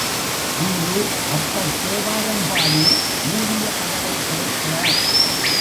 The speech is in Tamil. அங்கு அப்பர் தேவாரம் பாடி, மூடிய கதவைத் திறக்கிறார்.